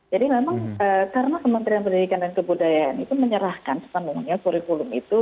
jadi memang karena kementerian pendidikan dan kebudayaan itu menyerahkan semuanya kurikulum itu